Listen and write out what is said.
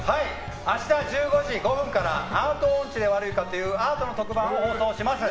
明日、１５時５分から「アート音痴で悪いか？！」というアートの特番を放送します。